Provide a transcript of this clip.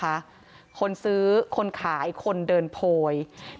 ความปลอดภัยของนายอภิรักษ์และครอบครัวด้วยซ้ำ